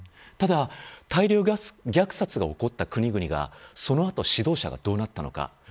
ただ大量虐殺が起こった国々がその後指導者がどうなったのか。